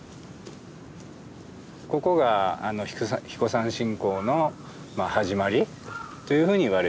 ここが英彦山信仰の始まりというふうにいわれています。